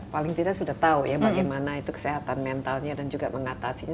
paling tidak sudah tahu ya bagaimana itu kesehatan mentalnya dan juga mengatasinya